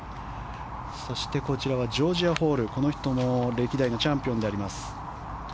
そしてジョージア・ホールこの人も歴代のチャンピオンです。